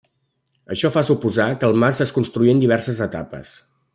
Això fa suposar que el mas es construí en diverses etapes.